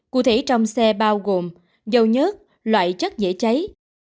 cụ thể trong xe bao gồm dầu nhớt loại chất dễ cháy